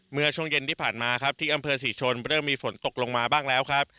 เมื่อช่วงเย็นที่ผ่านมาครับที่อำเภอศรีชนเริ่มมีฝนตกลงมาบ้างแล้วครับ